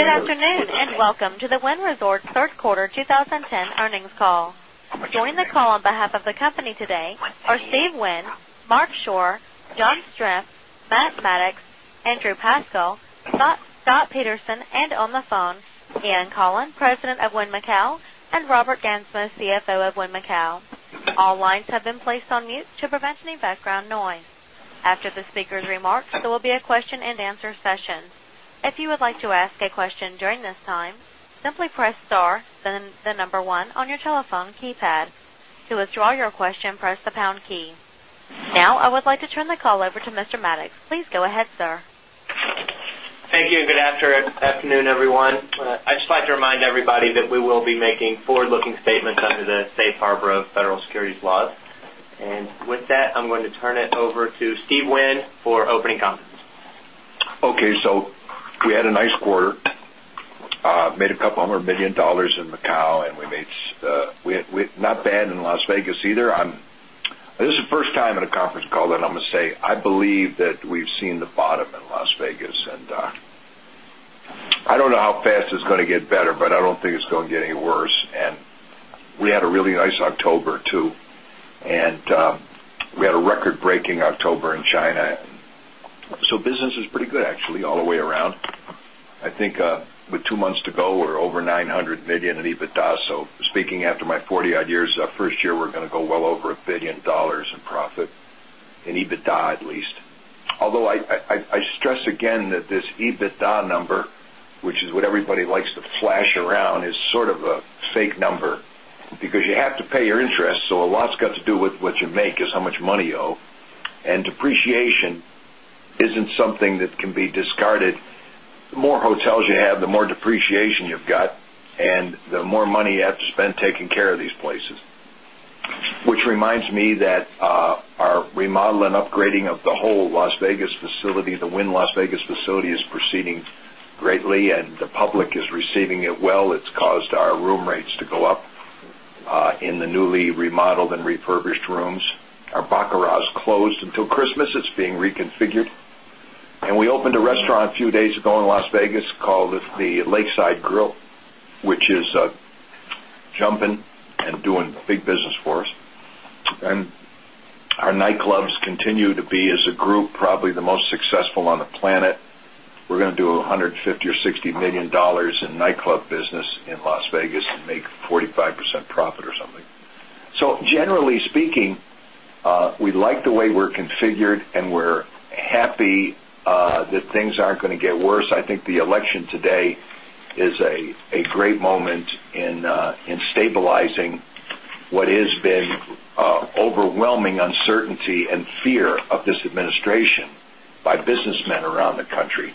Good afternoon, and welcome to the Wynn Resort Third Quarter 2010 Earnings Call. Joining the call on behalf of the company today are Steve Wynn, Mark Shore, John Stripp, Mathematics, Andrew Pascoe, Scott Peterson and on the phone, Ian Collin, President of Wynn Macau and Robert Gansma, CFO of Wynn Macau. All lines have been placed on mute to prevent any background noise. After the speakers' remarks, there will be a question and answer session. Now, I would like to turn the call over to Mr. Maddox. Please go ahead, sir. Thank you, and good afternoon, everyone. I'd just like to remind everybody that we will be making forward looking statements under the Safe Harbor of federal securities laws. And with that, I'm going to turn it over to Steve Wynn for opening comments. Okay. So we had a nice quarter, made a couple of $100,000,000 in Macau and we made we've not been in Las Vegas either. This is the first time in a conference call that I'm going to say, I believe that we've seen the bottom in Las Vegas. And I don't know how fast it's going to get better, but I don't think it's going to get any worse. And we had a really nice October too and we had a record breaking October in China. So business is pretty good actually all the way around. I think with 2 months to go, we're over $900,000,000 in EBITDA. So speaking after my 40 odd years, 1st year, we're going to go well over $1,000,000,000 in profit in EBITDA at least. Although I stress again that this EBITDA number, which is what everybody likes to flash around is sort of a fake number, because you have to pay your interest. So a lot's got to do with what you make is how much money you owe. And depreciation isn't something that can be discarded. The more hotels you have, the more depreciation you've got and the more money you have to spend taking care of these places, which reminds me that our remodel and upgrading of the whole Las Vegas facility, the Wynn Las Vegas facility is proceeding greatly and the public is receiving it well. It's caused our room rates to go up in the newly remodeled and refurbished rooms. Our baccarat is closed until Christmas. It's being reconfigured. And we opened a restaurant a few days ago in Las Vegas called the Lakeside Grill, which is jumping and doing big business for us. And our nightclubs continue to be as a group probably the most successful on the planet. We're going to do $150,000,000 or $60,000,000 in nightclub business in Las Vegas and make 45% profit or something. So generally speaking, we like the way we're configured and we're happy that things aren't going to get worse. I think the election today is a great moment in stabilizing what has been overwhelming uncertainty and fear of this administration by businessmen around the country.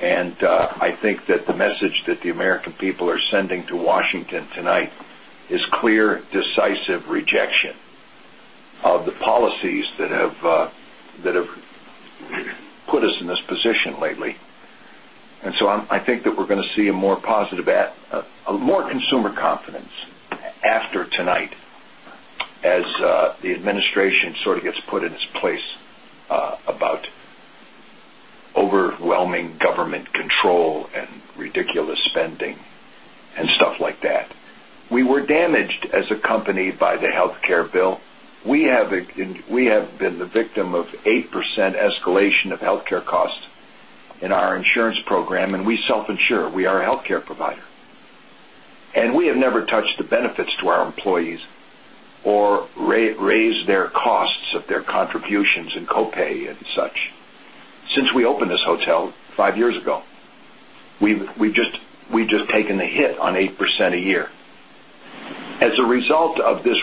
And I think that the message that the American people are sending to Washington tonight is clear decisive rejection more positive a more consumer confidence after tonight as the administration sort of gets put in its place about overwhelming government control and ridiculous spending and stuff like that. We were damaged as a company by the health care bill. We have been the victim of 8% escalation of healthcare costs in our insurance program and we self insure. We are a healthcare provider. And we have never touched the benefits to our employees or raised their costs of their contributions in co pay and such since we opened this hotel 5 years ago. We've just taken the hit on 8% a year. As a result of this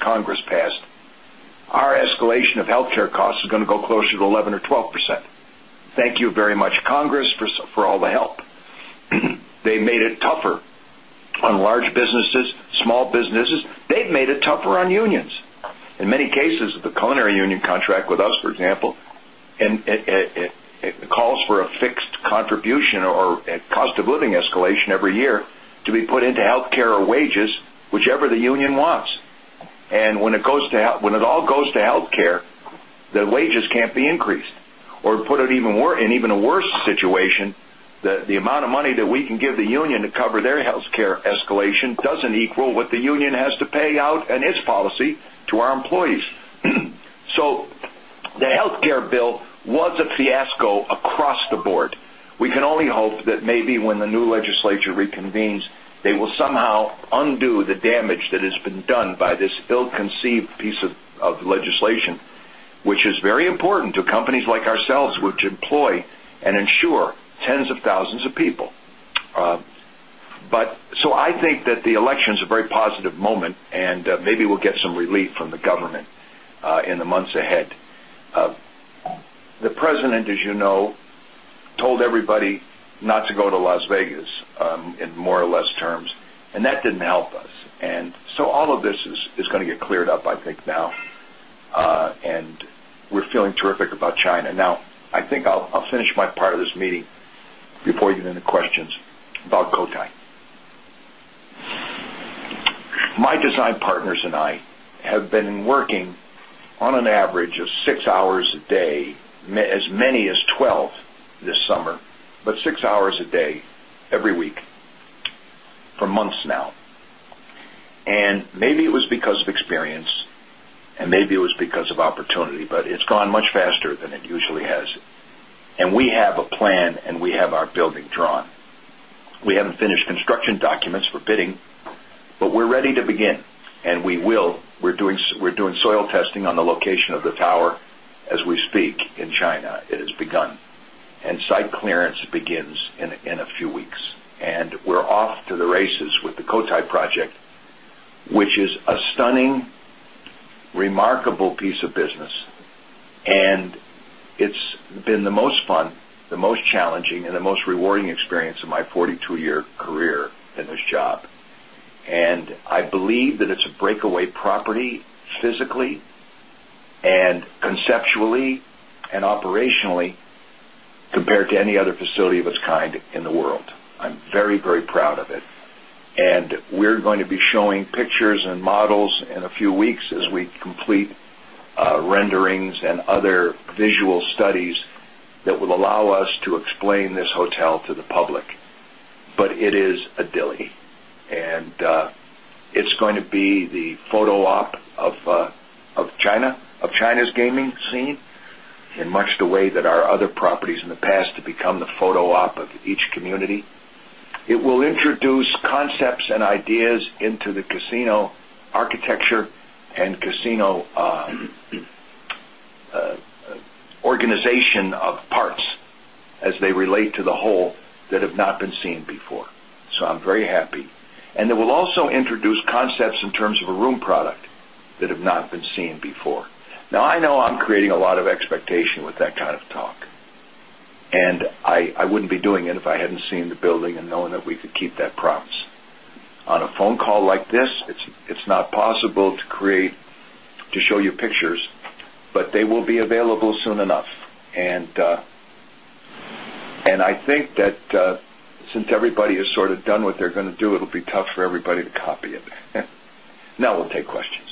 Congress passed, our escalation of healthcare costs is going to go closer to 11% or 12%. Thank you very much, Congress, for all the help. They made it tougher on large businesses, small businesses. They've made it tougher on unions. In many cases, the culinary union contract with us, for example, calls for a fixed contribution or cost of living escalation every year to be put into healthcare or wages, whichever the union wants. And when it goes to health when it all goes to health care, the wages can't be increased. Or put it even more in even a worse situation, the amount of money that we can give the union to cover their healthcare escalation doesn't equal what the union has to pay out and its policy to our employees. So the healthcare bill was a fiasco across the board. We can only hope that maybe when the new legislature is very important to companies like ourselves, which employ and ensure tens of thousands of people. But so I think that the election is a very positive moment and maybe we'll get some relief from the government in the months ahead. The President, as you know, told everybody not to go to Las Vegas in more or less terms and that didn't help us. And so all of this is going to get cleared up, I think now. And we're feeling terrific about China. Now I think I'll finish my part of this meeting before getting into questions about Cotai. My design partners and I have been working on an average of 6 hours a day, as many as 12 this summer, but 6 hours a day every week for months now. And maybe it was because of experience and maybe it was because of opportunity, but it's gone much faster than it usually has. And we have a plan and we have our building drawn. We haven't finished construction documents for bidding, but we're ready to begin and we will. We're doing soil testing on the location of the tower as we speak in China. It has begun and site clearance begins in a few weeks. And we're off to the races with the Cotai project, which is a stunning, remarkable piece of this job. And I believe that it's a breakaway property physically and conceptually and operationally compared to any other facility of its kind in the world. I'm very, very proud of it. And we're going to be showing pictures and models in a few weeks as we complete renderings and other visual studies that will allow us to explain this hotel to the public. But it is a dilly and it's going to be the photo op of China's gaming scene in much the way that our other properties in the past to become the photo op of each community. It will introduce concepts and ideas into the casino architecture and casino organization of parts as they relate to the whole that have not been seen before. So I'm very happy. And that will also introduce concepts in terms of a room product that have not been seen before. Now I know I'm creating a lot of expectation with that kind of talk. And I wouldn't be doing it if I hadn't seen the building and knowing that we could keep that promise. On a phone call like this, it's not possible to create to show you pictures, but they will be available soon enough. And I think that since everybody has sort of done what they're going to do, it'll be tough for everybody to copy it. Now we'll take questions.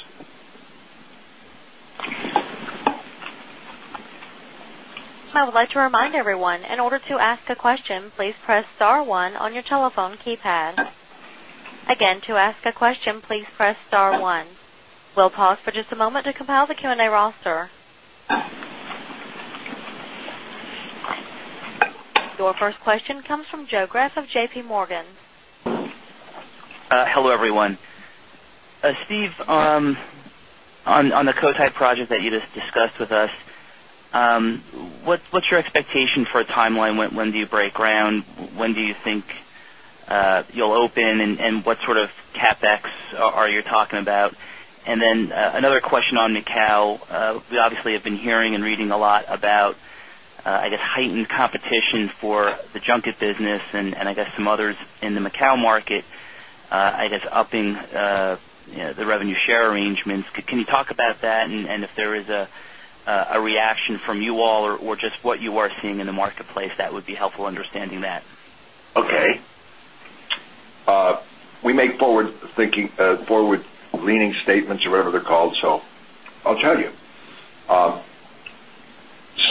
Your first question comes from Joe Greff of JPMorgan. Hello, everyone. Steve, on the Cotai project that you just discussed with us, what's your expectation for a timeline? When do you break ground? When do you think you'll open? And what sort of CapEx are you talking about? And then another question on Macau. We obviously have been hearing and reading a lot about, I guess, heightened competition for the junket business and I guess some others in the Macau market, I guess, upping the revenue share arrangements. Can you talk about that? And if there is a reaction from you all or just what you are seeing in the marketplace, that would be helpful understanding that? Okay. We make forward thinking forward leaning statements or whatever they're called. So I'll tell you.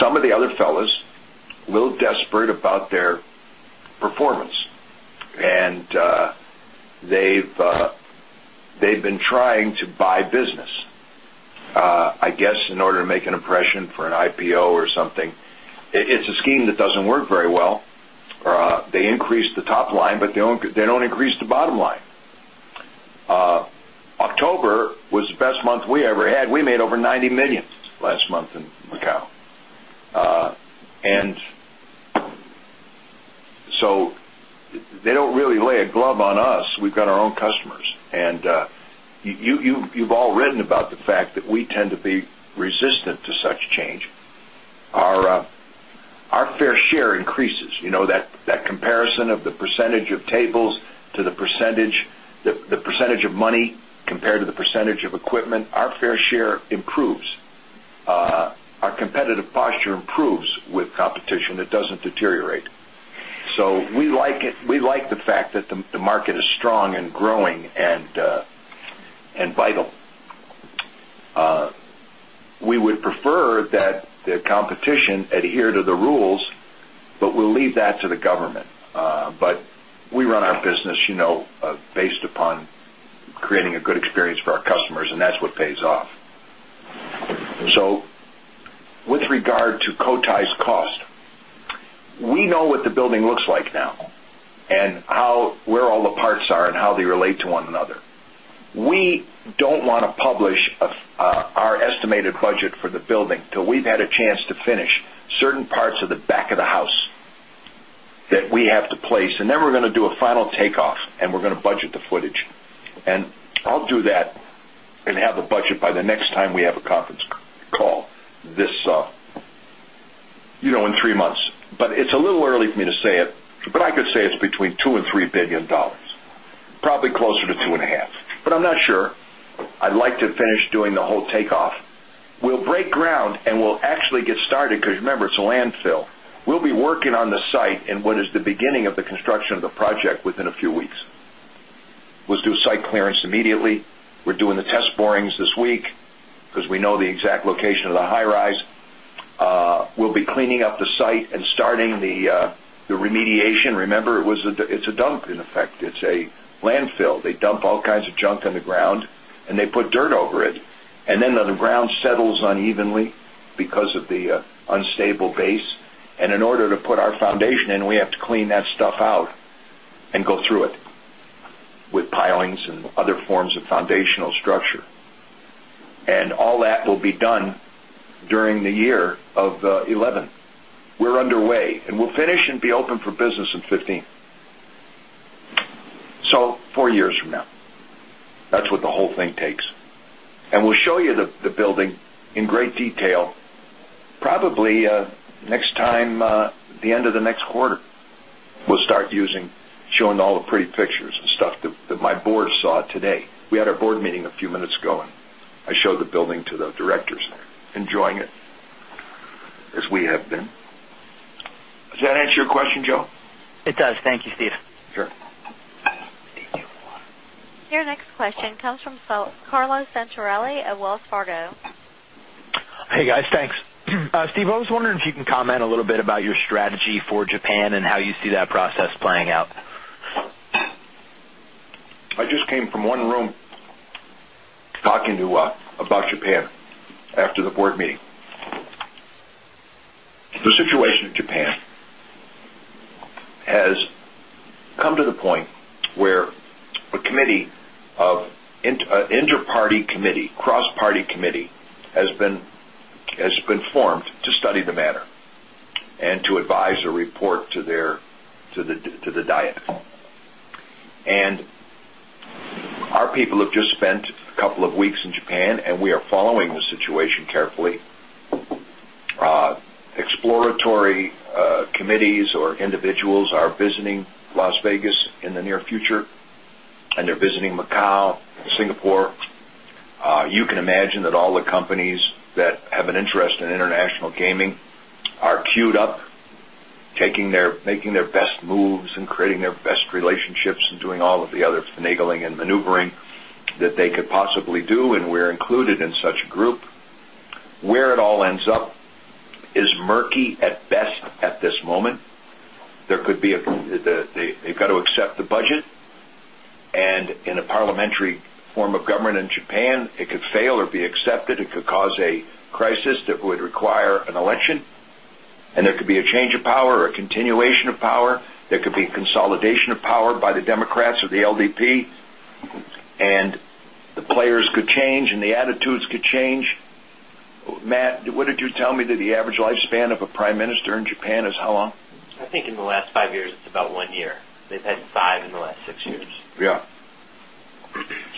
Some of the other fellows will desperate about their performance and they've been trying to buy business, I guess, in order to make an impression for an IPO or something, it's a scheme that doesn't work very well. They increase the top line, but they don't increase the bottom line. October was the best month we ever had. We made over $90,000,000 last month in Macau. And so they don't really lay a glove on us. We've got our own customers. And you've all written about the fact that we tend to be resistant to such change. Our fair share increases. That comparison of the percentage of tables to the percentage of money compared to the percentage of equipment, our fair share improves. Our competitive posture improves with competition that doesn't deteriorate. So we like it. We like the fact that the market is strong and growing and vital. We would prefer that the competition adhere to the rules, but we'll leave that to the government. But we run our business based upon creating a good experience for our customers and that's what pays off. So with regard to Cotai's cost, we know what the building looks like now and how where all the parts are and how they relate to one another. We don't want to publish our estimated budget for the building till we've had a chance to finish certain parts of the back of the house that we have to place and then we're going to do a final takeoff and we're going to budget the footage. And I'll do that and have the budget by the next time we have a conference call this in 3 months. But it's a little early for me to say it, but I could say it's between $2,000,000,000 $3,000,000,000 probably closer to $2,500,000,000 But I'm not sure. I'd like to finish doing the whole takeoff. We'll break ground and we'll actually get started because remember, it's a landfill. We'll be working on the site and what is the beginning project within a few weeks. Let's do site clearance immediately. We're doing the test borings this week because we know the exact location of the high rise. We'll be cleaning up the site and starting the remediation. Remember, it's a dump in effect. It's a landfill. They dump all kinds of junk in the ground and they put dirt over it. And then the ground settles unevenly because of the unstable base. And in order to put our foundation in, we have to clean that stuff out and go through it with pilings and other forms of foundational structure. And all that will be done during the year of 2011. We're underway and we'll finish and be open for business in 2015. So 4 years from now, that's what the whole thing takes. And we'll show you the building in great detail probably next time the end of the next quarter. We'll start using showing all the pretty pictures and stuff that my Board saw today. We had our Board meeting a few minutes ago and I showed the building to the directors enjoying it as we have been. Does that answer your question, Joe? It does. Thank you, Steve. Sure. Your question comes from Carlo Santarelli of Wells Fargo. Hey, guys. Thanks. Steve, I was wondering if you can comment a little bit about your strategy for Japan and how you see that process playing out? I just came from one room talking about Japan after the Board meeting. The situation in Japan has come to the point where a committee of inter party committee, cross party committee formed to study the matter and to advise or report to their to the Diet. And our people have just spent a couple of weeks in Japan and we are following the situation carefully. Exploratory committees or individuals are visiting Las Vegas in the near future and they're visiting Macau, Singapore. You can imagine that all the companies that have an interest in international gaming are queued up, taking their making their moves and creating their best relationships and doing all of the other finagling and maneuvering that they could possibly do and we're included in such a group. Where it all ends up is murky at best at this moment. There could be a they've got to accept the budget. And in a parliamentary form of government in Japan, it could fail or be accepted. It could cause a crisis that would require an election. And there could be a change of power or a continuation of power. There could be consolidation of power by the Democrats or the LDP and the players could change and the attitudes could change. Matt, what did you tell me that the average lifespan of a Prime Minister in Japan is how long? I think in the last 5 years, it's about 1 year. They've had 5 in the last 6 years. Yes.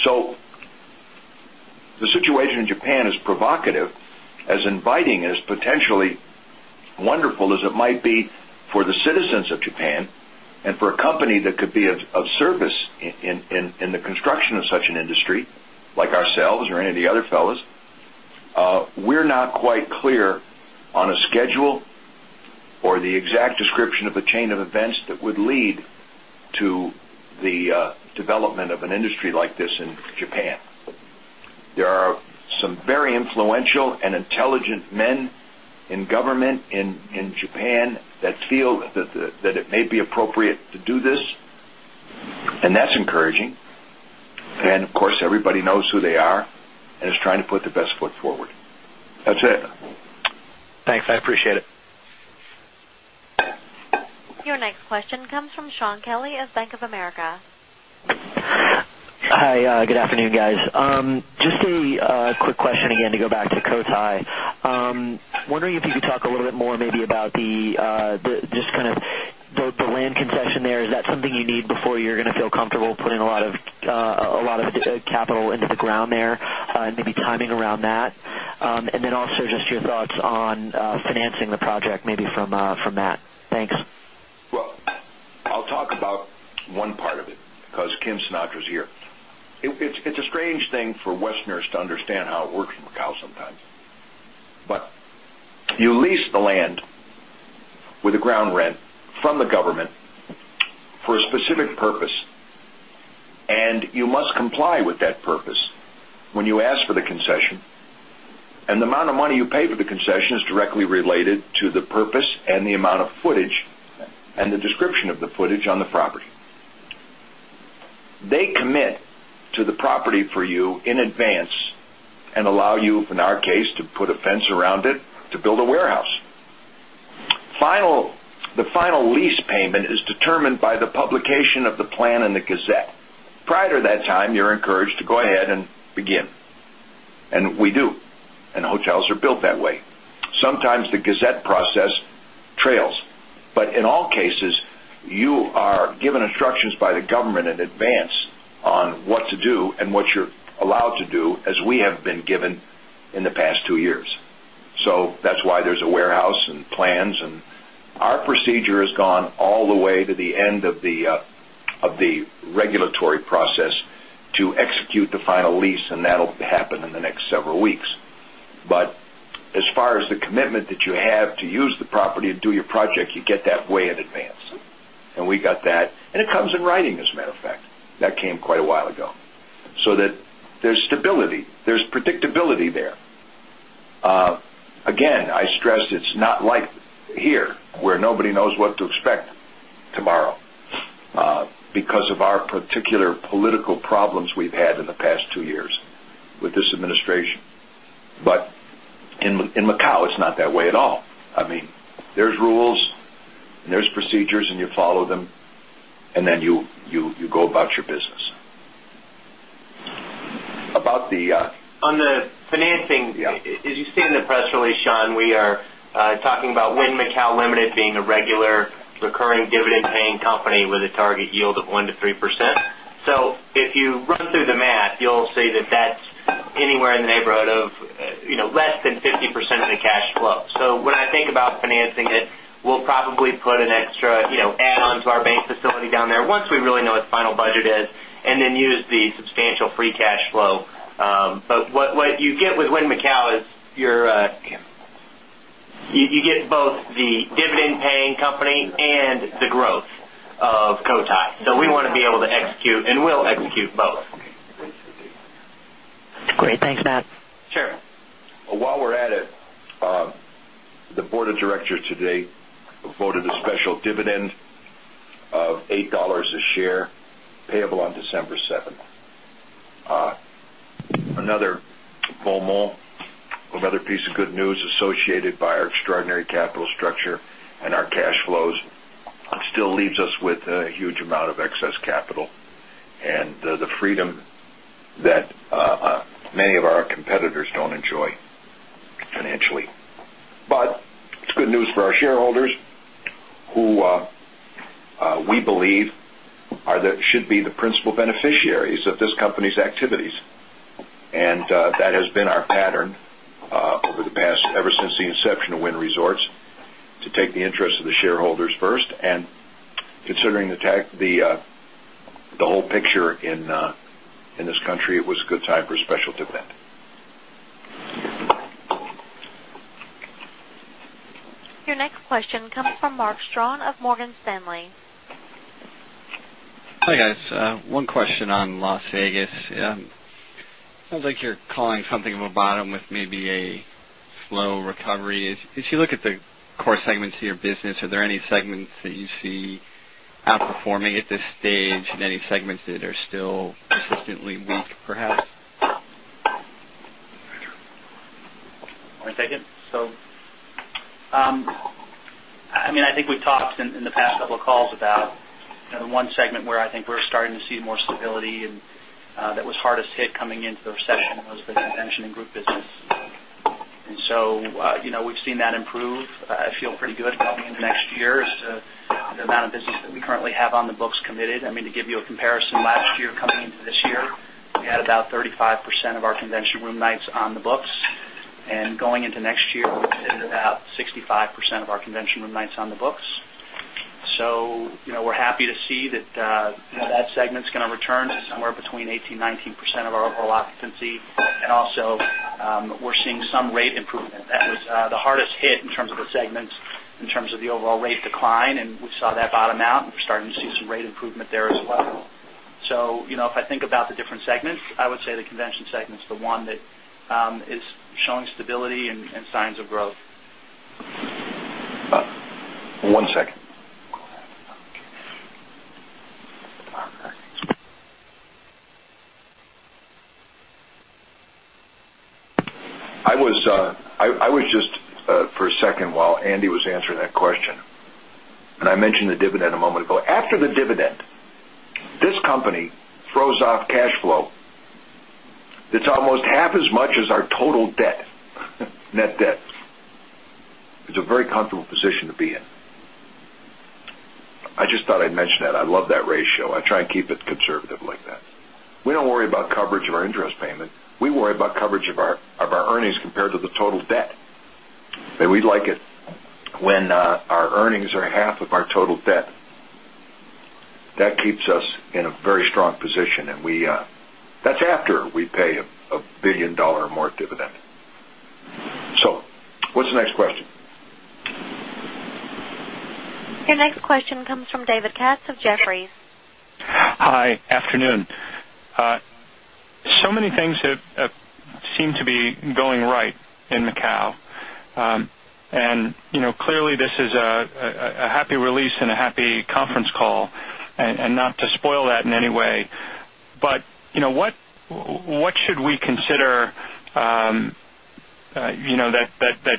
So situation in Japan is provocative as inviting and as potentially wonderful as it might be for the citizens of Japan and for a company that could be of service in the construction of such an industry like ourselves or any of the other fellows, we're not quite clear on a schedule or the exact description of a chain of events that would lead to the development of an industry like this in Japan. There are some very influential and intelligent men in government in Japan that feel that it may be appropriate to do this and that's encouraging. And of course, everybody knows who they are and is trying to put the best foot forward. That's it. Thanks. I appreciate it. Your next question comes from Shaun Kelley of Bank of America. Hi, good afternoon guys. Just a quick question again to go back to Cotai. Wondering if you could talk a little bit more maybe about the just kind of both the land concession there. Is that something you need before you're going to feel comfortable putting a lot of capital into the ground there maybe timing around that? And then also just your thoughts on financing the project maybe from Matt. Thanks. Well, I'll talk about one part of it because Kim Sinatra is here. It's a strange thing for Westerners to understand how it works from Macau sometimes. But you lease the land with a ground rent from the government for a specific purpose and you must comply with that purpose when you ask for the concession and the amount of money you pay for the concession directly related to the purpose and the amount of footage and the description of the footage on the property. They commit to the property for you in advance and allow you, in our case, to put a fence around it to build a warehouse. The final lease payment is determined by the publication of the plan in the Gazette. Prior to that time, you're encouraged to go ahead and begin. And we do and hotels are built that way. Sometimes the gazette process trails. But in all cases, you are given instructions by the government in advance on what to do and what you're allowed to do as we have been given in the past 2 years. So that's why there's a warehouse and plans and our procedure has gone all the way to the end of the regulatory process to execute the final lease and that will happen in the next several weeks. But as far as the commitment that you have to use the property and do your project, you get that way in advance. And we got that and it comes in writing as a matter of fact. That came quite a while ago. So that there's stability, there's predictability there. Again, I stress it's not like here where nobody knows what to expect tomorrow, because of our particular political problems we've had in the past 2 years with this administration. But in Macau, it's not that way at all. I mean, there's rules and there's procedures and you follow them and then you go about your business. About the On the financing, as you see in the press release, Sean, we are talking about Wynn Macau Limited being a regular recurring dividend paying company with a target yield of 1% to 3%. So, if you run through the math, you'll see that that's anywhere in the neighborhood of less than 50% of the cash flow. So, when I think about financing it, we'll probably put an extra add on to our bank facility down there once we really know what the final budget is and then use the substantial free cash flow. But what you get with Wynn Macau is you're you get both the dividend paying company and the growth of Cotai. So, we want to be able to execute and will execute both. Great. Thanks, Matt. Sure. While we're at it, the Board of Directors today voted a special dividend of $8 a share payable on December 7. Another the freedom that many of our competitors don't enjoy financially. But it's good news for our shareholders who we believe should be the principal beneficiaries of this company's activities And that has been our pattern over the past ever since the inception of Wynn Resorts to take the interest of the shareholders first. And considering the whole picture in this country, it was a good time for special dividend. Your next question comes from Mark Strawn of Morgan Stanley. Hi, guys. One question on Las Vegas. It sounds like you're calling something of a bottom with maybe a slow recovery. As you look at the core segments of your business, are there any segments that you see outperforming at this stage and any segments that are still consistently weak perhaps? I'll take it. So, I mean, I think we've talked in the past couple of calls about one segment where I think we're starting to see more stability and that was hardest hit coming into the recession was the and group business. And so, we've seen that improve. I feel pretty good probably in the next year as to the amount of business that we currently have on the books committed. Mean to give you a comparison last year coming into this year, we had about 35% of our convention room nights on the books. And going into next year, it is about 65% of our convention room nights on the books. So, we're happy to see that that segment is going to return to somewhere between 18%, 19% of our overall occupancy. And also, we're seeing some rate improvement. That was the hardest hit in terms of the segments, in terms of the overall rate decline and we saw that bottom out. We're starting to see some rate improvement there as well. So, if I think about the different segments, I would say the convention segment is the one that is showing stability and signs of growth. One second. I was just for a second while Andy was answering that question and I mentioned the dividend a moment ago. After the dividend, this company throws off cash flow that's almost half as much as our total debt, net debt. It's a very comfortable position to be in. I just thought I'd mention that. I love that ratio. I try and keep it conservative like that. We don't worry about coverage of our interest payment. We worry about coverage of our earnings compared to the total debt. We like it when our earnings are half of our total debt, that keeps us in a very strong position and we that's after we pay a $1,000,000,000 more dividend. So what's the next question? Your next question comes from David Katz of Jefferies. Hi, afternoon. So many things that seem to be going right in Macau. And clearly, this is a happy release and a happy conference call and not to spoil that in any way. But what should we consider that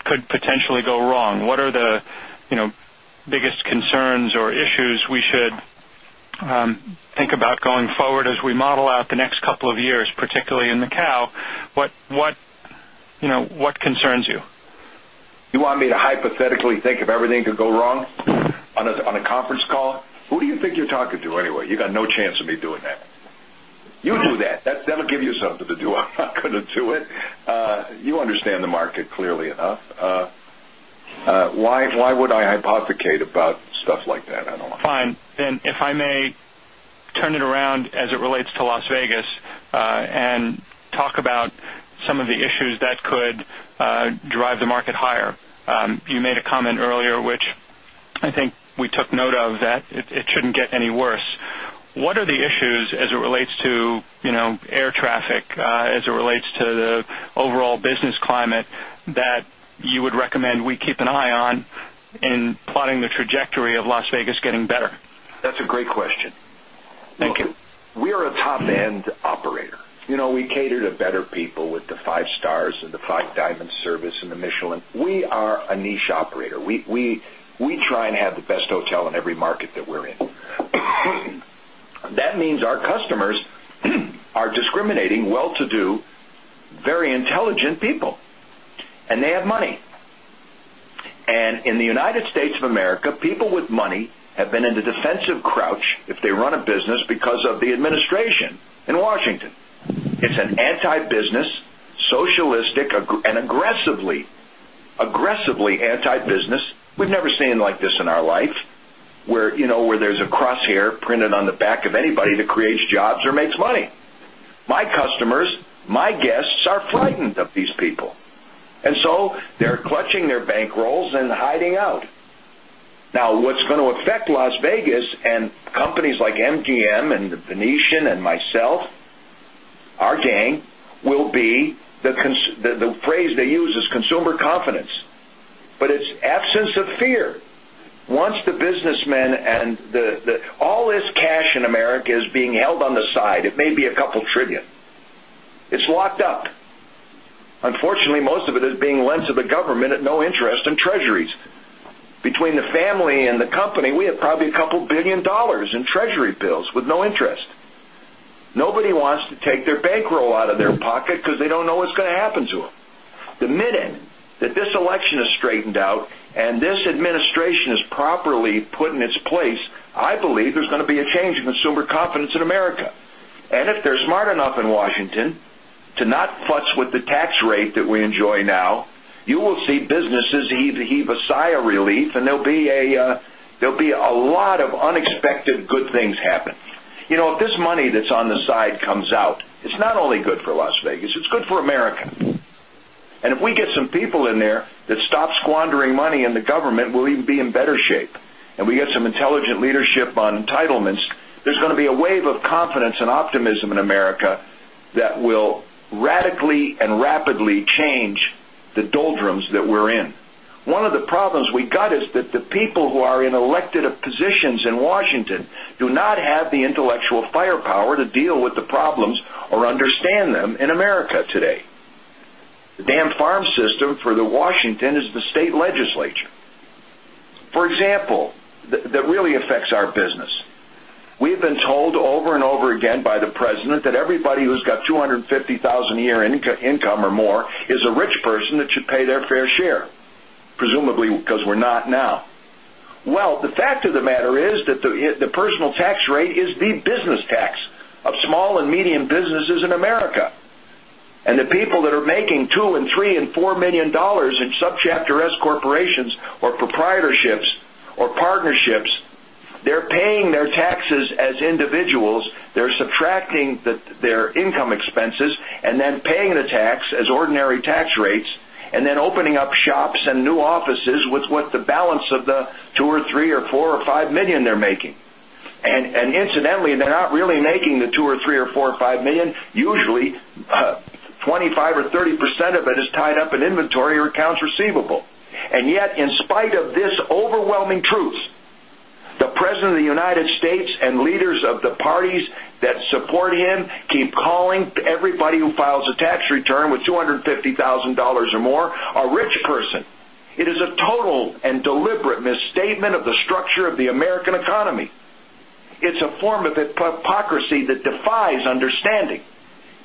could potentially go wrong? What are the biggest concerns or issues we should think about going forward as we model out the next couple of years, particularly in Macao? What concerns you? You want me to hypothetically think if everything could go wrong on a conference call? Who do you think you're talking to anyway? You got no chance of me doing that. You do that. That will give you something to do. I'm not going to do it. You understand the market clearly enough. Why would I hypothecate about stuff like that? I don't know. Fine. And if I may turn it around as it relates to Las Vegas and talk about some of the issues that could drive the market higher. You made a comment earlier, which I think we took note of that it shouldn't get any worse. What are the issues as it relates to air traffic, as it relates to the overall business climate that you would recommend we keep an eye on in plotting the trajectory of Las Vegas getting better? That's a great question. Thank you. We are a top end operator. We cater to better people with the 5 stars, the 5 diamond service and the Michelin. We are a niche operator. We try and have the best hotel in every market that we're in. That means our customers are discriminating well-to-do very intelligent people and they have money. And in the United States of America, people with money have been in the defensive crouch if they run a business because of the administration in Washington. It's an anti business, socialistic and aggressively anti business. We've never seen it like this in our life where there's a crosshair printed on the back of anybody that creates jobs or makes money. My customers, my guests are frightened of these people. And so they're clutching their bankrolls and hiding out. Now what's going to affect Las Vegas and companies like MGM and The Venetian and myself, our gang will be the phrase they use is consumer confidence, but it's absence of fear. Once the businessmen and the all this cash in America is being held on the side, it may be a couple of trillion. It's locked up. Unfortunately, most of it is being lent to the government at no interest in treasuries. Between the family and the company, we have probably a couple of $1,000,000,000 in treasury bills with no interest. Nobody wants to take their bank roll out of their pocket, because they don't know what's going to happen to them. The minute that this election is straightened out and this administration is properly put in its place, I believe there's going to be a change Washington to not fuss with the tax rate that we enjoy now, you will see businesses heave the sigh of relief and there'll be a lot of unexpected good things happen. If this money that's on the side comes out, it's And if we get some people in there that stop squandering money and the government will even be in better shape and we get some intelligent leadership on entitlements, there's going to be a wave of confidence and optimism in America that will radically and rapidly change the doldrums that we're in. One of the problems we got is that the people who are in elected positions in Washington do not have the intellectual firepower to deal with the problems or understand them in America today. The damn farm system for the Washington is the state legislature. For example, that really affects our business, we've been told over and over again by the President that everybody who's got 250,000 a year income or more is a rich person that should pay their fair share, presumably because we're not now. Well, the fact of the matter is that the personal tax rate is the business tax of small and medium businesses in America. And the people that are making $2,000,000 $3,000,000 $4,000,000 in subchapter S corporations or proprietorships or partnerships, they're paying their taxes as individuals. They're subtracting their income expenses and then paying the tax as ordinary tax rates and then opening up shops and new offices with what the balance of the $2,000,000 or $3,000,000 or $4,000,000 or $5,000,000 they're making. And incidentally, they're not really making the $2,000,000 or $3,000,000 or $4,000,000 usually 25% or 30% of it is tied up in inventory or accounts receivable. And yet in spite of this overwhelming truth, the President of the United States and leaders of the parties that support him keep calling everybody who files a tax return with 200 and $50,000 or more, a rich person. It is a total and deliberate misstatement of the structure of the American economy. It's a form of hypocrisy that defies understanding.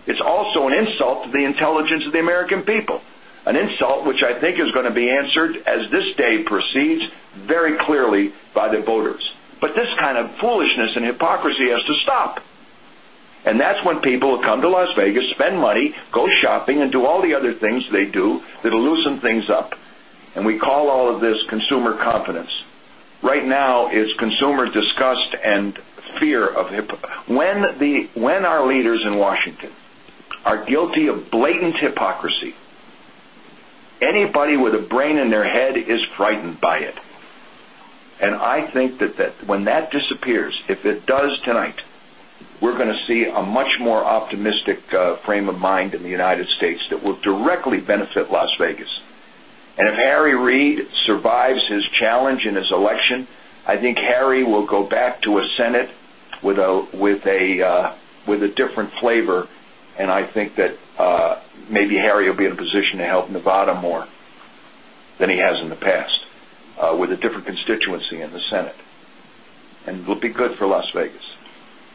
It's also an insult to the intelligence of of the American people, an insult which I think is going to be answered as this day proceeds very clearly by the voters. But this kind of foolishness and hypocrisy has to stop. And that's when people come to Las Vegas, spend money, go shopping and do all the other things they do that will loosen things up. And we call all of this consumer confidence. Right now, it's consumer disgust and fear of when our leaders in Washington are guilty of blatant hypocrisy, anybody with a brain in their head is frightened by it. And I think that when that disappears, if it does tonight, we're going to see a much more optimistic frame of mind in the United States that will directly benefit Las Vegas. And if Harry Reid survives his challenge in his election, I think Harry will go back to a Senate with a different flavor. And I think that maybe Harry will be in a position to help Nevada more than he has in the past with a different constituency in the Senate and will be good for Las Vegas.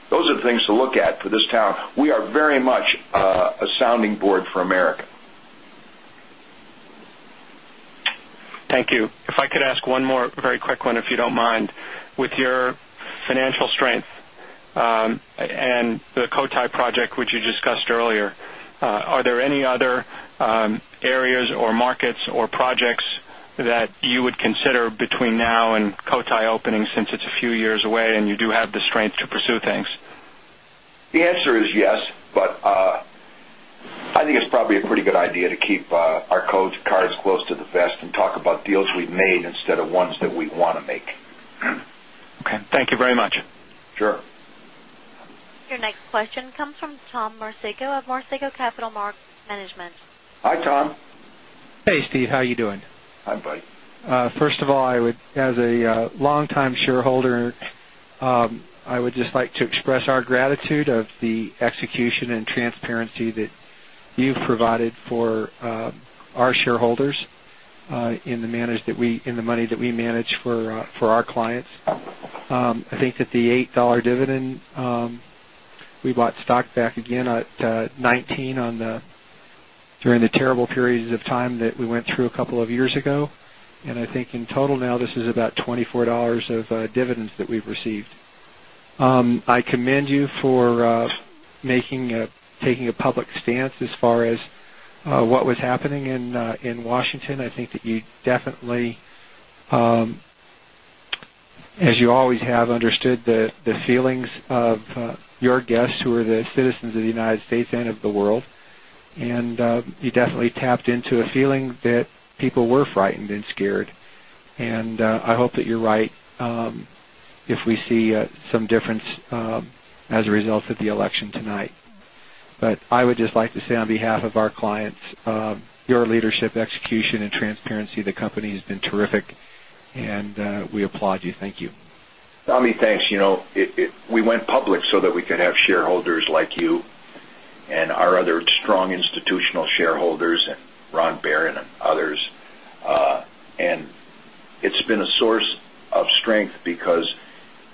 Those are the things to look at for this town. We are very much a sounding board for America. Thank you. If I could ask one more very quick one, if you don't mind. With your financial strength and the Cotai project, which you discussed earlier, are there any other areas or markets or projects that you would consider between now and Cotai opening since it's a few years away and you do have the strength to pursue things? The answer is yes, but I think it's probably a pretty good idea to keep our cards close to the vest and talk about deals we've made instead of ones that we want to make. Okay. Thank you very much. Sure. Your next question comes from Tom Marceco of Marceco Capital Markets Management. Hi, Tom. Hey, Steve. How are you doing? Hi, buddy. First of all, I would as a long time shareholder, I would just like to express our gratitude of the execution and transparency that you've provided for our shareholders in the manage that we in the money that we manage for our clients. I think that the $8 dividend, we bought stock back again at 2019 on the during the terrible periods of time that we went through a couple of years ago. And I think in total now this is about $24 of dividends that we've received. I commend you for making taking a public stance as far as what was happening in Washington. I think that you definitely as you always have understood the feelings of your guests who are the citizens of the United States and of the world. And you definitely tapped into a feeling that people were frightened and scared. And I hope that you're right. If we see some difference as a result of the election tonight. But I would just like to say on behalf of our clients, your leadership, execution and transparency, the company has been terrific and we applaud you. Thank you. Ami, thanks. We went public so that we could have shareholders like you and our other strong institutional shareholders and Ron Baron and others. And it's been a source of strength because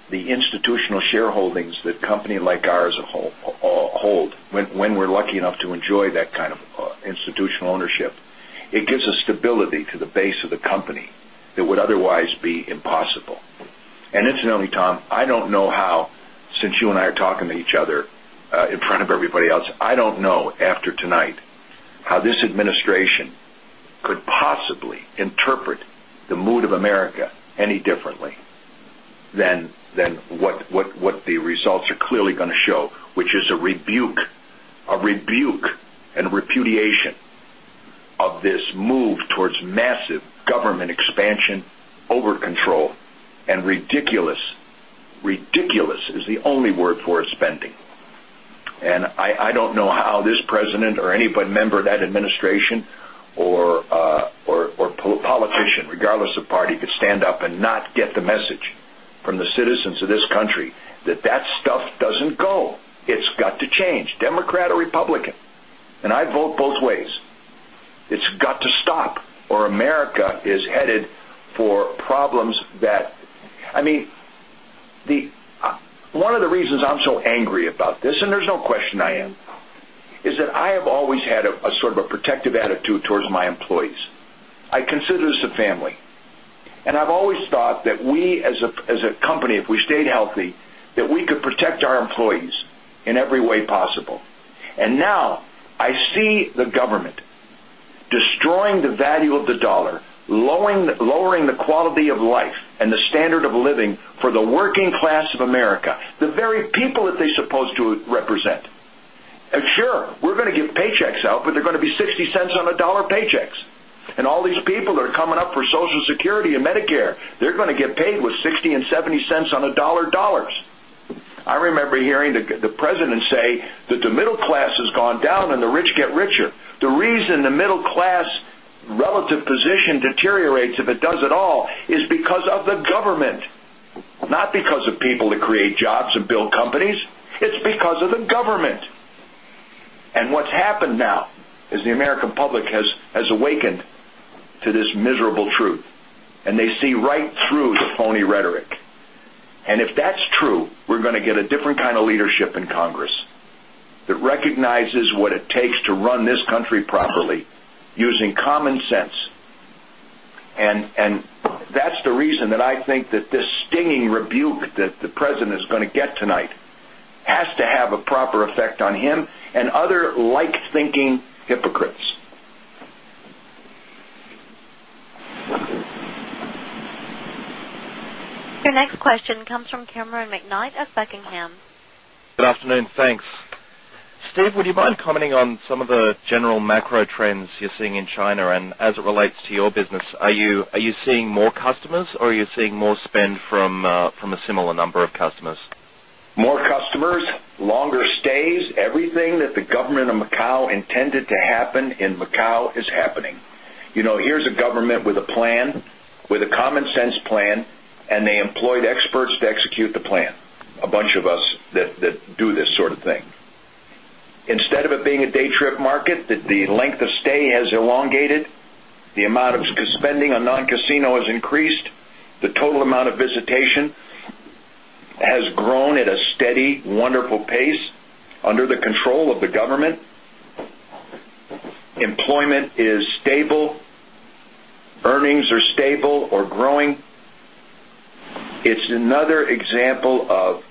the institutional shareholdings that company like ours hold when we're lucky enough to enjoy that kind of institutional ownership, it gives us stability to the base of the company that would otherwise be impossible. And incidentally, Tom, I don't know how since you and I are talking to each other in front of everybody else, I don't know after tonight how this administration could possibly interpret the mood of America any differently than what the results are clearly going to show, which is a rebuke and repudiation this move towards massive government expansion, over control and ridiculous, ridiculous is the only word for spending. And I don't know how this President or any member of that administration or politician regardless of party could stand up and not get the message from the citizens of this country that that stuff doesn't go. It's got to change, Democrat or Republican. And I vote both ways. It's got to stop or America is headed for problems that I mean, the one of the reasons I'm so angry about this and there's no question I am is that I have always had a sort of a protective attitude towards my employees. I consider this a family. And I've always thought that we as a company, if we stayed healthy, that we could dollar, lowering the quality of life and the standard of living for the working class of America, the very people that they're supposed to represent. And sure, we're going to give paychecks out, but they're going to be $0.60 on a dollar paychecks. And all these people that are coming up for Social Security and Medicare, they're going to get paid with $0.60 $0.70 on $1. I remember hearing the President say that the middle class has gone down and the rich get richer. The reason the middle class build companies, it's because of the government. And what's happened now is the American public has awakened to this miserable truth and they see right through the phony rhetoric. And if that's true, we're going to get a different kind of leadership in that's the reason that I think that this stinging rebuke that the President is going to get tonight has to have a proper effect on him and other like thinking hypocrites. Your next question comes from Cameron McKnight of Buckingham. Good afternoon. Thanks. Steve, would you mind commenting on some of the general macro trends you're seeing in China? And as it relates to your business, are you seeing more customers? Or are you seeing more spend from a similar number of customers? More customers, longer stays, everything that the government of Macau intended to happen in Macau is happening. Here's a government with a plan, with a common sense plan and they employed experts to execute the plan, a bunch of us that do this sort of thing. Instead of it being a day trip market, the length of stay has elongated, the amount of spending on non casino has increased. The total amount of visitation has grown at a steady wonderful pace under the control of the government. Employment is stable. Earnings are stable or growing. It's another example of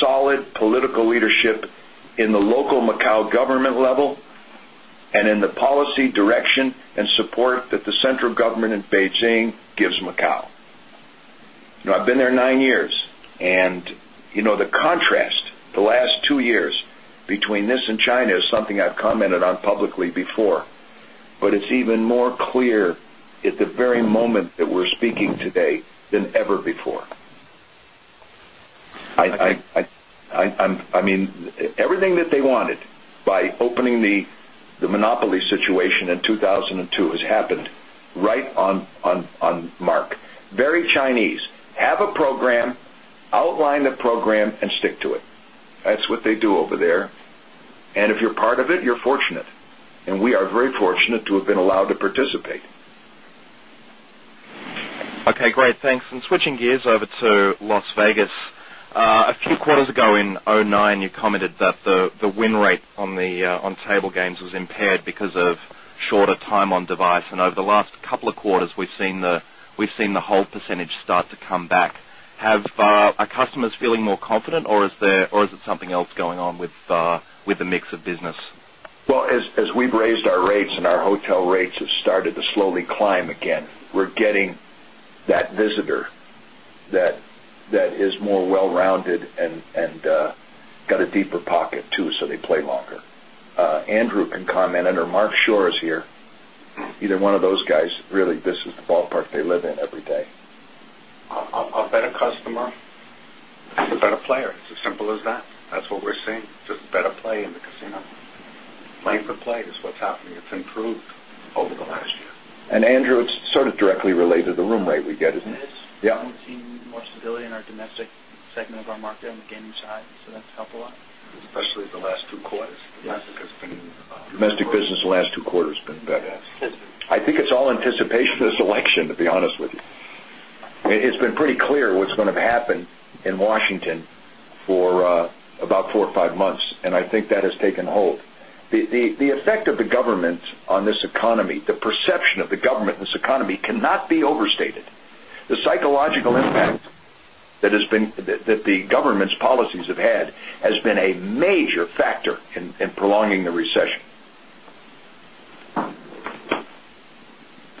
solid political leadership in the local Macau government level and in the policy and the contrast, the last 2 years between this and China is something I've commented on publicly before. But it's even more clear at the very moment that we're speaking today than ever before. I mean, everything that they wanted by opening the monopoly situation in 2,002 has happened right on Mark. Very Chinese. Have a program, outline the program and stick to it. That's what they do over there. And if you're part of it, you're fortunate. And we are very fortunate to have been allowed to participate. Okay, great. Thanks. And switching gears over to Las Vegas. A few quarters ago in 2009, you commented that the win rate on the on table games was impaired because of shorter time on device. And over the last couple of quarters, we've seen the whole percentage start to come back. Have are customers feeling more confident? Or is there or is it something else going on with the mix of business? Well, as we've raised our rates and our hotel rates have started to slowly climb again, we're getting that visitor that is more well rounded and got a deeper pocket too, so they play longer. Andrew can comment or Mark Shore is here, either one of those guys really this is the ballpark they live in every day. A better customer, a better player, it's as simple as that. That's what we're seeing, just better play in the casino, playing for play is what's happening. It's improved over the last year. And Andrew, it's sort of directly related to the room rate we get. Yes. We've seen more stability in our domestic segment of our market and the gaming side, so that's helpful a lot. Especially the last two quarters, domestic has been Domestic business in the last two quarters has been better. Yes. I think it's all anticipation of this election to be honest with you. It's been pretty clear what's going to happen in Washington for about 4 or 5 months, and I think that has taken hold. The effect of the government on this economy, the perception of the government in this economy cannot be overstated. The psychological impact that has been that the government's policies have had has been a major factor in prolonging the recession.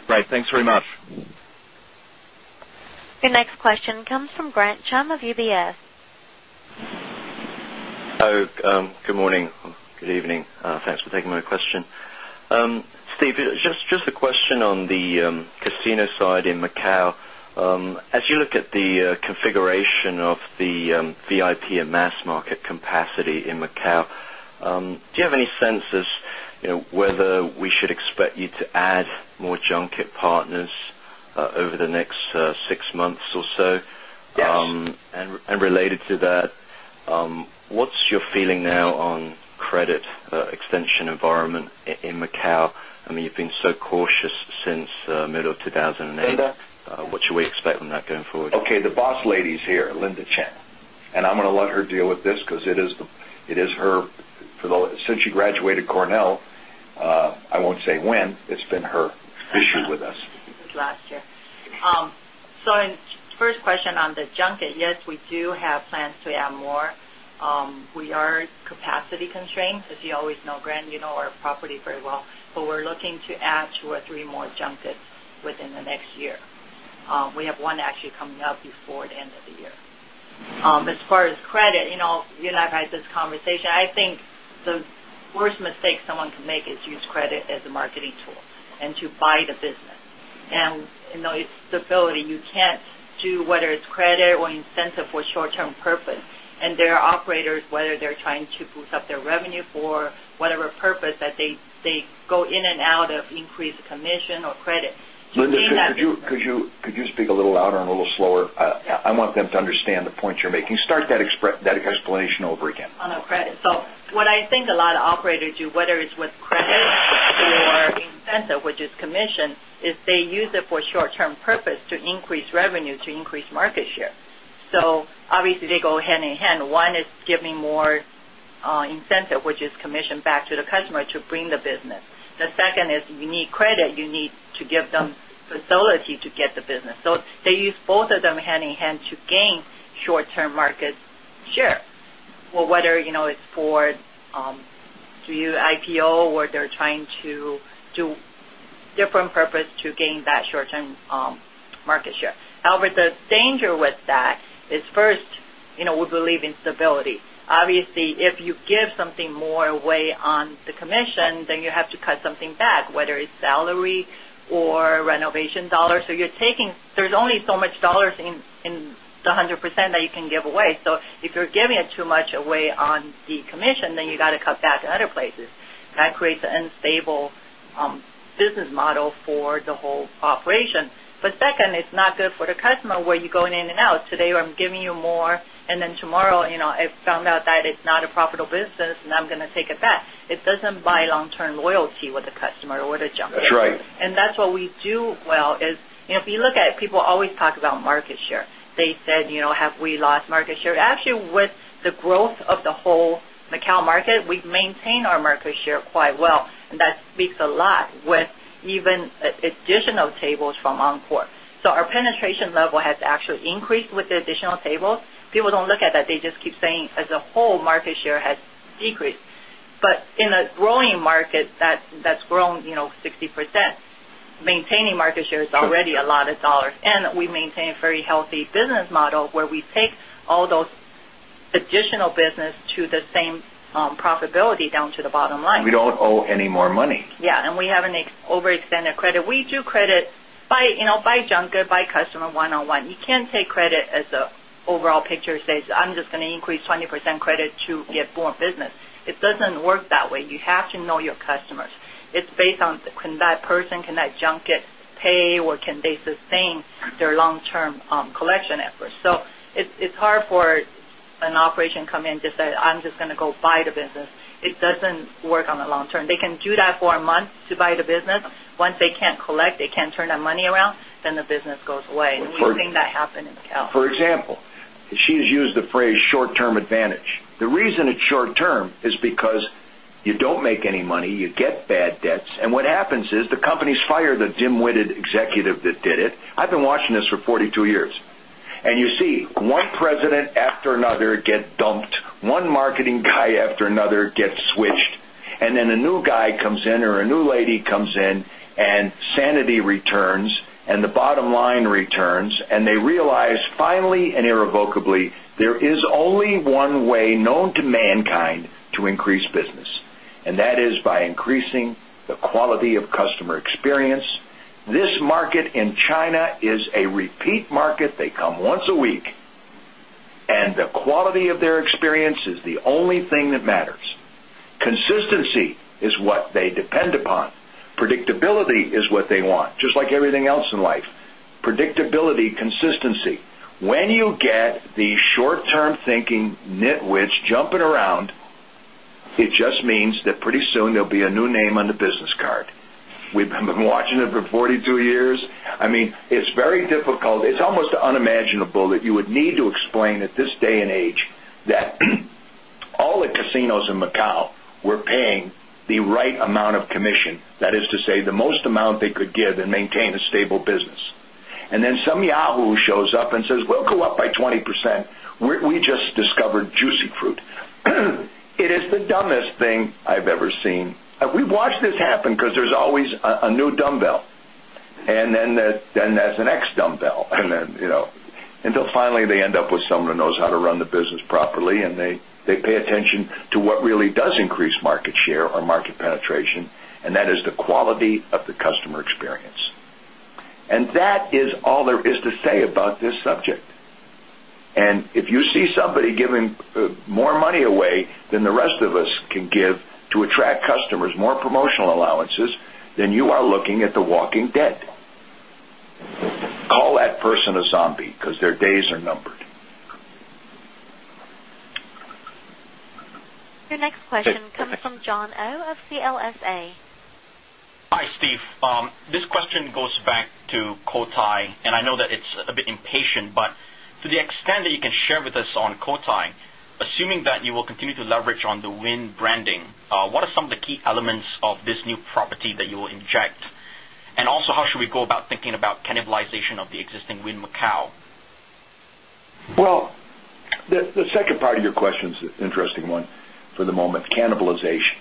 Great. Thanks very much. Your next question comes from Grant Chum of UBS. Good morning. Good evening. Thanks for taking my question. Steve, just a question on the casino side in Macau. As you look at the configuration of the VIP and mass market capacity in Macau, do you have any sense as whether we should expect you to add more junket partners over the next 6 months or so? And related to that, what's your feeling now on credit extension environment in Macau? I mean, you've been so cautious since middle of 2,008. What should we expect from that going forward? Okay. The boss lady is here, Linda Chen. And I'm going to let her deal with this because it is her since she graduated Cornell, I won't say when, it's been her issue with us. Last year. So first question on the junket, yes, we do have plans to add more. We are capacity constrained. As you always know, Grant, you know our property very well, but we're looking to add 2 or 3 more junkets within the next year. We have one actually coming up before the end of the year. As far as credit, you know, you like this conversation, I think the worst mistake someone can make is use credit as a marketing tool and to buy the business. And it's stability. You can't do whether it's credit or incentive for short term purpose. And there are operators, whether they're trying to boost up their revenue for whatever purpose that they go in and out of increased commission or credit. Linda, could you speak a little louder and a little slower? I want them to understand the points you're making. Start that explanation over again. On our credit, so what I think a lot of operators do, whether it's with credit or incentive, which is commission, is they use it for short term purpose to increase revenue to increase market share. So obviously, they go hand in hand. 1 is giving more incentive, which is commission back to the customer to bring the business. The second is you need credit, you need to give them facility to get the business. So they use both of them hand in hand to gain short term market share. Well, whether it's for IPO or they're trying to do different purpose to gain that short term market share. However, the danger with that is first, we believe in stability. Obviously, if you give something more away on the commission, then you have to cut something back, whether it's salary or renovation dollars. So you're taking there's only so much dollars in the 100% that you can give away. So if you're giving it too much away on the commission, then you got to cut back to other places. That creates an unstable business model for the whole operation. But second, it's not good for the customer where you're going in and out. Today, I'm giving you more and then tomorrow, I found out that it's not a profitable business and I'm going to take it back. It doesn't buy long term loyalty with the customer or the junk. That's right. And that's what we do well is, if you look at it, people always talk about market share. They said, have we lost market share? Actually with the growth of the whole Macao market, we've maintained our market share quite well. That speaks a lot with even additional tables from Encore. So our penetration level has actually increased with the additional tables. People don't look at that. They just keep saying as a whole market share has decreased. But in a growing market that's grown 60%, maintaining market share is already a lot of dollars and we maintain a very healthy business model where we take all those additional business to the same profitability down to the bottom line. We don't owe any more money. Yes. And we haven't overextended credit. We do credit by junk good, by customer 1 on 1. You can't take credit as the overall picture says, I'm just going to increase 20% credit to get born business. It doesn't work that way. You have to know your customers. It's based on can that person, can that junket pay or can they sustain their long term collection efforts. So it's hard for an operation come in and just say, I'm just going to go buy the business. It doesn't work on the long term. They can do that for a month to buy the business. Once they can't collect, they can't turn their money around, then the business goes away. We've seen that happen in the past. For example, she has used the phrase short term advantage. The reason it's short term is because you don't make any money, you get bad debts. And what happens is the companies fire the dim witted executive that did it. I've been watching this for 42 years. And you see, 1 President after another get dumped, 1 marketing guy after another gets switched. And then a new guy comes in or a new lady comes in and Sanity returns and the bottom line returns and they realize finally and irrevocably there is only one way known to mankind to increase business and that is by increasing the quality of customer experience. This market in China is a repeat market. They come once a week and the quality of their experience is the only thing that matters. Consistency is what they depend upon. Predictability is what they want, just like everything else in life. Predictability, consistency. When you get the short term thinking, nitwidge jumping around, it just means that pretty soon there'll be a new name on the business card. We've been watching it for 42 years. I mean, it's very difficult. It's almost unimaginable that you would need to explain at this day and age that all the casinos in Macau were paying the right amount of commission, that is to say the most amount they could give and maintain a stable business. And then some Yahoo! Shows up and says, we'll go up by 20%. We just discovered Juicy Fruit. It is the dumbest thing I've ever seen. We've watched this happen because there's always a new dumbbell and then there's an ex dumbbell and then until finally they end up with someone who knows how to run the business properly and they pay attention to what really does increase market share or market penetration and that is the quality of the customer experience. And that is all there is to say about this subject. And if you see somebody giving more money away than the rest of us can give to attract customers, more promotional allowances, then you are looking at the walking dead. Call that person a zombie, because their days are numbered. Your next question comes from John Oh of CLSA. Hi, Steve. This question goes back to Cotai and I know that it's a bit impatient, but to the extent that you can share with us on Cotai, assuming that you will continue to leverage on the Wynn branding, what are some of the key elements of this new property that you inject? And also how should we go about thinking about cannibalization of the existing Wynn Macau? Well, the second part of your question is an interesting one for the moment, cannibalization.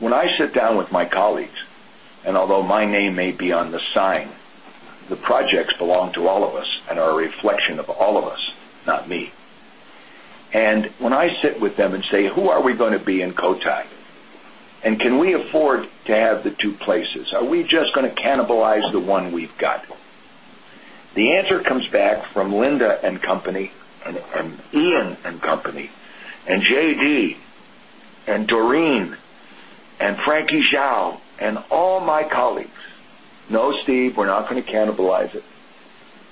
When I sit down with my colleagues and although my name may be on the sign, the projects belong to all of us and are a reflection of all of us, not me. And when I sit with them and say, who are we going to be in Cotai? And can we afford to have the 2 places? Are we just going to cannibalize the one we've got? The answer comes back from Linda and Company and Ian and Company and JD and Doreen and Frankie Zhao and all my colleagues, no Steve, we're not going to cannibalize it.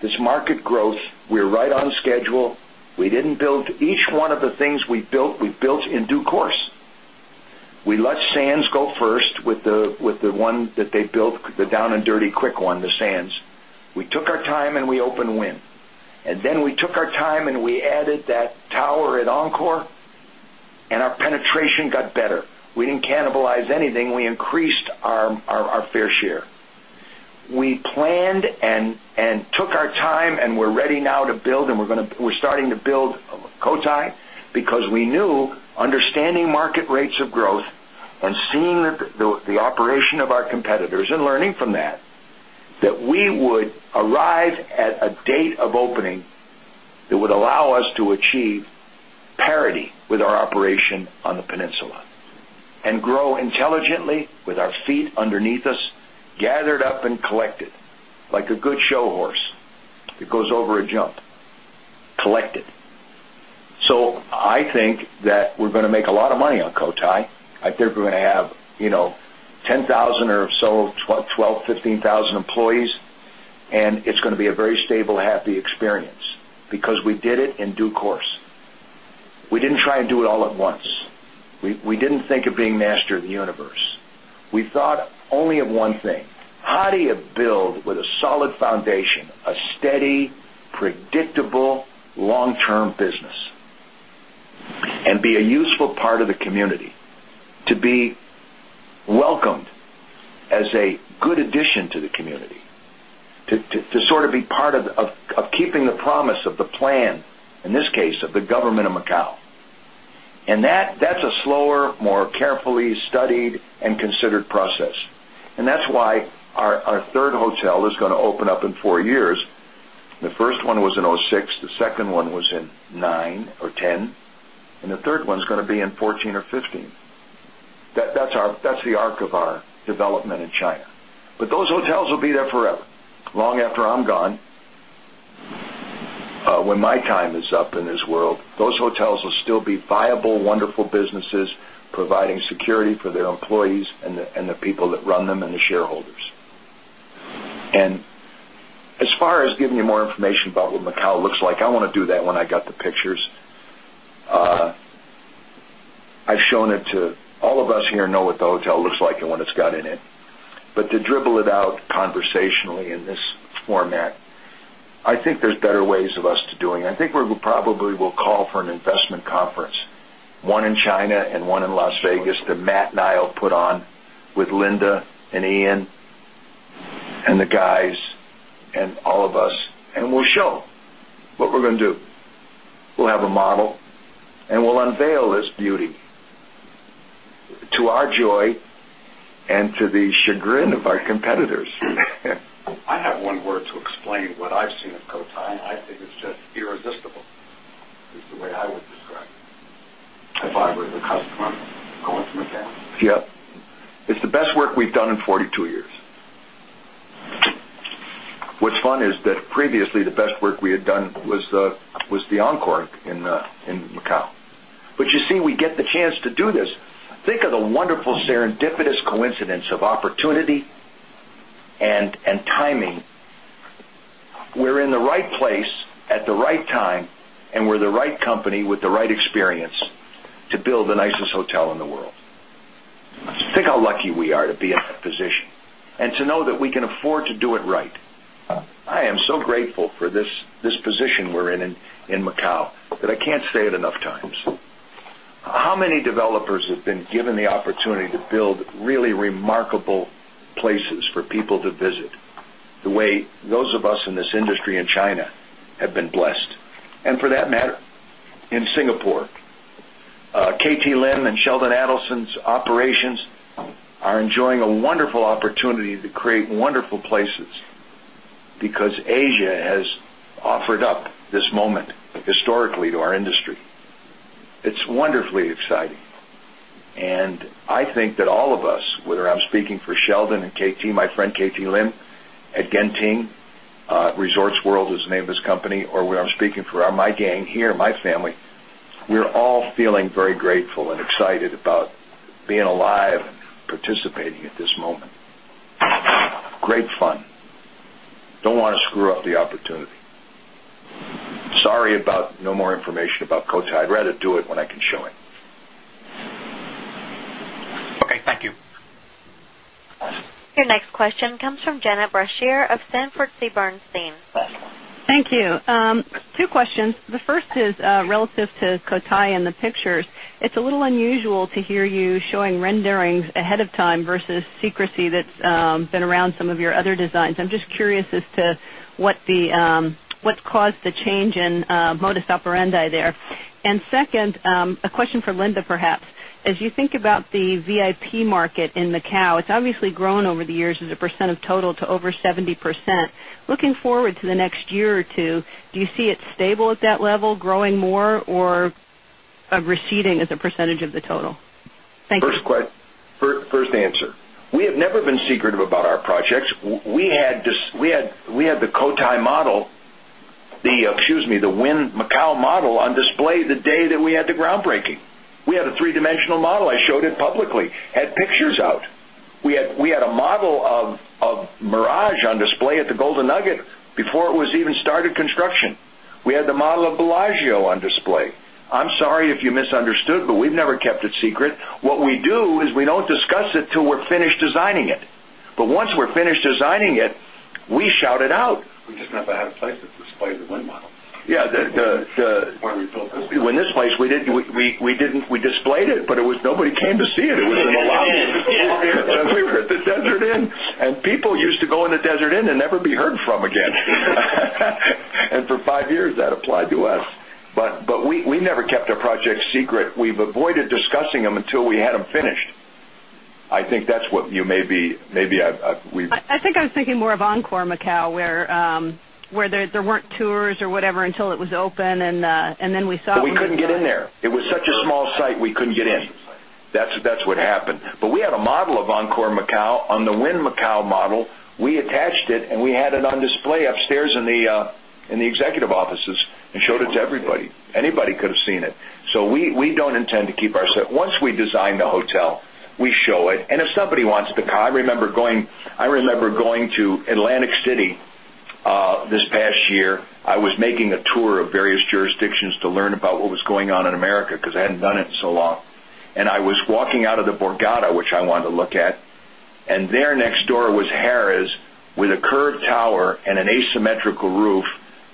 This market growth, we're right on schedule. We didn't build each one of the things we built, we built in due course. We let Sands go first with one that they built, the down and dirty quick one, the Sands. We took our time and we opened Wynn. And then we took our time and we added that tower at Encore and our penetration got better. We didn't cannibalize anything. We increased our fair share. We planned and took our time and we're ready now to build and we're going to we're starting to build Cotai because we knew understanding market rates of growth and seeing the operation of our competitors and learning from that, that we would arrive at a date of opening that would allow us to achieve parity with our operation on the Peninsula and grow intelligently with our feet underneath us, gathered and collected like a good show horse that goes over a jump, collected. So I think that we're going to make a lot of money on Cotai. I think we're going to have 10,000 or so 12, 15,000 employees and it's going to be a very stable, happy experience, because we did it in due course. We didn't try and do it all at once. We didn't think of being master of universe. We thought only of one thing, how do you build with a solid foundation, a steady, predictable, long term business and be a useful part of the community to be welcomed as a good addition to the community to sort of be part of keeping the promise of the plan, in this case of the government of Macau. And that's a slower, more carefully studied and considered process. And that's why our 3rd hotel is going to open up in 4 years. The first one was in 2006, the second one was in 2009 or 2010 and the third one is going to be in 2014 or 2015. That's the arc of our 'fourteen or 'fifteen. That's the arc of our development in China. But those hotels will be there forever, long after I'm gone. When my time is up in this world, those hotels will still be viable wonderful businesses providing security for their employees and the people that run them and the shareholders. And as far as giving you more information about what Macau looks like, I want to do that when I got the pictures. I've shown it to all of us here know what the hotel looks like and what it's got in it. But to dribble it out conversationally in this format, I think there's better ways of us to doing it. I think we probably will call for an investment conference, 1 in China and 1 in Las Vegas that Matt Niall put on with Linda and Ian and the guys and all of us and we'll show what we're going to do. We'll have a model and we'll unveil this beauty to our joy and to the chagrin of our competitors. I have one word to explain what I've seen of Cotai. I think it's just irresistible is the way I would describe it. If I were the customer going from a cash? Yes. It's the best work we've done in 42 years. What's fun is that previously the best work we had done was the Encore in Macau. But you see we get the chance to do this. Think of the wonderful serendipitous coincidence of opportunity and timing. We're in the right place at the right time and we're the right company with the right experience to build the nicest hotel in the world. Think how lucky we are to be in that position and to know that we can afford to do it right. I am so grateful for this position we're in, in Macau that I can't say it enough times. How many developers have been given the opportunity to build really remarkable places for people to visit the way those of us in this industry in China have been blessed. And for that matter, in Singapore, KT Lim and Sheldon Adelson's operations are enjoying a wonderful opportunity to create wonderful places because Asia has offered up this moment historically to our industry. It's wonderfully exciting. And I think that all of us, whether I'm speaking for Sheldon and KT, my friend KT Lim at Genting, Resorts World is the name of this company or where I'm speaking for my gang here, my family, we are all feeling very grateful and excited about being alive and participating at this moment. Great fun. Don't want to screw up the opportunity. Sorry about no more information about Cotai. I'd rather do it when I can show it. Okay. Thank you. Your next question comes from Janet Brashear of Sanford Bernstein. Thank you. Two questions. The first is relative to Cotai and the pictures. It's a little unusual to hear you showing renderings ahead of time versus secrecy that's been around some of your other designs. I'm just curious as to what caused the change in modus operandi there? And second, a question for Linda perhaps. As you think about the VIP market in Macau, it's obviously grown over the years as a percent of total to over 70%. Looking forward to the next year or 2, do you see it stable at that level, growing more or receding as a percentage of the total? Thank you. First answer. We have never been secretive about our projects. We had the Cotai model the excuse me, the Wynn Macau model on display the day that we had the groundbreaking. We had a three-dimensional model. I showed it publicly, had pictures out. We had a model of Mirage on display at the Golden Nugget before it was even started construction. We had the model of Bellagio on display. I'm sorry if you misunderstood, but we've never kept it secret. What we do is we don't discuss it till we're finished designing it. But once we're finished designing it, we shout it out. We just never had a place to display the wind model. Yes. We built this? When this place, we didn't we displayed it, but it was nobody came to see it. It was in a lot of the floors. We were at the Desert Inn and people used to go in the Desert Inn and never be heard from again. And for 5 years, finished. I think that's what you may be maybe we've I think I was thinking more of Encore Macau where there weren't tours or whatever until it was open and then we saw But we couldn't get in there. It was such a small site we couldn't get in. That's what happened. But we had a model of Encore Macau. On the Wynn Macau model, we attached it and we had it on display upstairs in the executive offices and showed it to everybody. Anybody could have seen it. So we don't intend to keep our set. Once we design the hotel, we show it. And if somebody wants to I remember going to Atlantic City this past year. I was making a tour of various jurisdictions to learn about what was going on in America because I hadn't done it in so long. And I was walking out of the Borgata, which I wanted to look at. And there next door was Harrah's with a curved tower and an asymmetrical roof,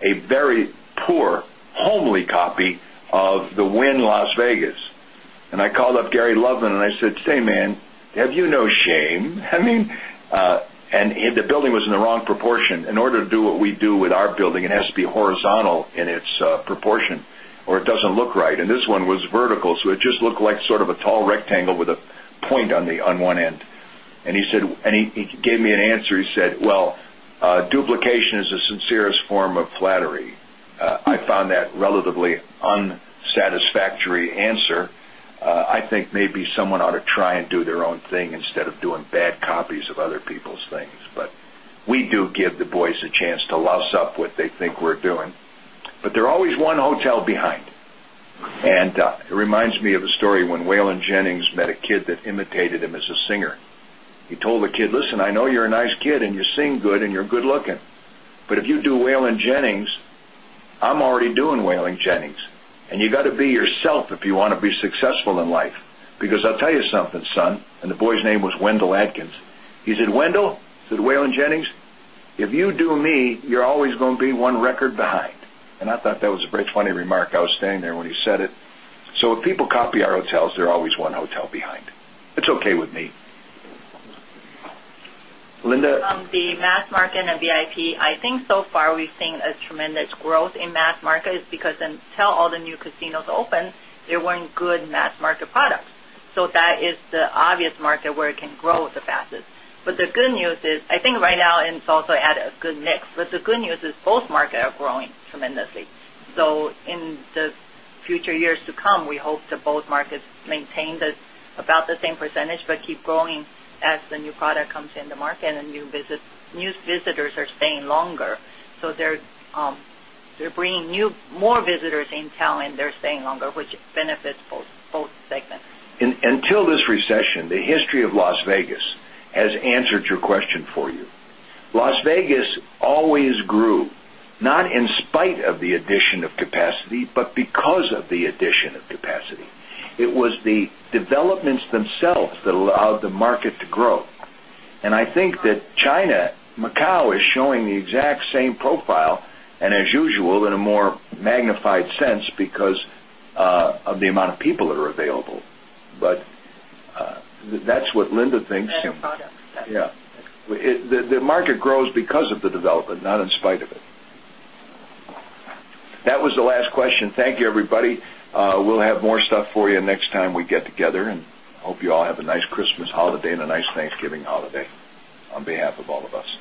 a very poor homely copy of the Wynn Las Vegas. And I called up Gary Loveland and I said, hey, man, have you no shame? I mean and the building was in the wrong proportion. In order to do what we do with our building, it has to be horizontal in its proportion or it doesn't look right. And this one was vertical, so it just looked like sort of a tall rectangle with a point on one end. And he said and he gave me an answer. He said, well, duplication is the sincerest form of flattery. I found that relatively unsatisfactory answer. I think maybe someone ought to try and do their own thing And it reminds me of a story when Waylon Jennings met a kid And it reminds me of a story when Waylon Jennings met a kid that imitated him as a singer. He told the kid, listen, I know you're a nice kid and you sing good and you're good looking. But if you do Whaling Jennings, I'm already doing Whaling Jennings and you got to be yourself if you want to be successful in life, because I'll tell you something, son, and the boy's name was Wendell Adkins. He said, Wendell, I said Waylon Jennings, if you do me, you're always going to be 1 record behind. And I thought that was a very funny remark. I was standing there when he said it. So if people copy our hotels, they're always one hotel behind. It's okay with me. Linda? On the mass market and VIP, I think so far we've seen a tremendous growth in mass market is because until all the new casinos open, they weren't good mass market products. So that is the obvious market where it can grow the fastest. But the good news is, I think right now and it's also added a good mix, but the good news is both markets are growing tremendously. So in the future years to come, we hope that both markets maintain about the same percentage, but keep growing as the new product comes in the market and new visitors are staying longer. So they're bringing new more visitors in town and they're staying longer, which benefits both segments. Until this recession, the history of Las Vegas has answered your question for you. Las Vegas always grew not in spite of the addition of capacity, but because of the addition of capacity. It was the developments themselves that allowed the market to grow. And I think that China, Macau is showing the exact same profile and as usual in a more magnified sense because of the amount of people that are available. But that's what Linda thinks. And your product. Yes. The market grows because of the development, not in spite of it. That was the last question. Thank you, everybody. Everybody. We'll have more stuff for you next time we get together and hope you all have a nice Christmas holiday and a nice Thanksgiving holiday on behalf of all of us.